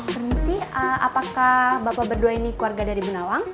permisi apakah bapak berdua ini keluarga dari bu nawang